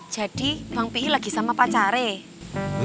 jadi bang pi lagi sama pacar ee